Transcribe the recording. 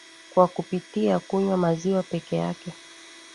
kwa kupitia kunywa maziwa peke yake